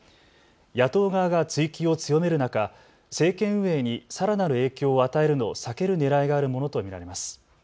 野党側が追及を強める中、政権運営にさらなる影響を与えるのを避けるねらいがあるものと見られます。